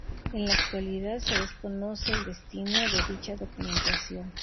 En la actualidad se desconoce el destino de dicha documentación.